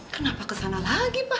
kenapa kesana lagi pak